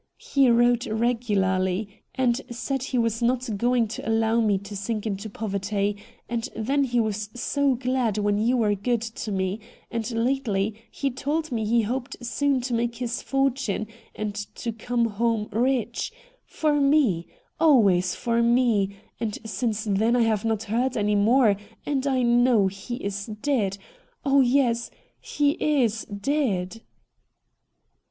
He wrote regularly, and said he was not going to allow me to sink into poverty, and then he was so glad when you were good to me, and lately he told me he hoped soon to make his fortune and to come home rich — for me — always for me ; and since then I have not heard any more, and I know he is dead. Oh yes — he is dead